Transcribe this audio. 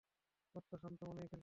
ওতো শান্ত মনেই খেলছে, ক্যাট।